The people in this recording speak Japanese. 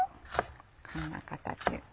こんな形。